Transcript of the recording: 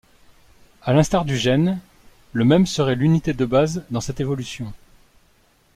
À l'instar du gène, le mème serait l'unité de base dans cette évolution.